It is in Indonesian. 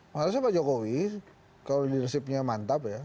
maksudnya pak jokowi kalau leadershipnya mantap ya